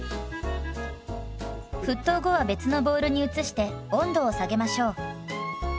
沸騰後は別のボウルに移して温度を下げましょう。